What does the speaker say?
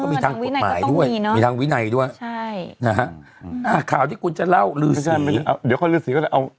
ก็มีทางวินัยด้วยก็ต้องมีเนอะ